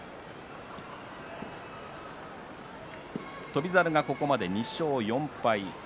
翔猿はここまで２勝４敗。